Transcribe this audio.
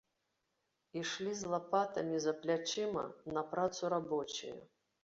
Ішлі з лапатамі за плячыма на працу рабочыя.